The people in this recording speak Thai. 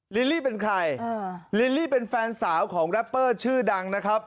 ลิลลี่เป็นใครลิลลี่เป็นแฟนสาวของแรปเปอร์ชื่อดังนะครับ